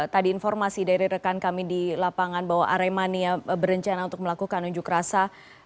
tadi informasi dari rekan kami di lapangan bahwa aremania berencana untuk melakukan unjuk rasa